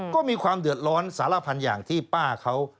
ก็มีความเดือดร้อนสารพันธ์อย่างที่ป้าเขา